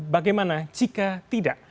bagaimana jika tidak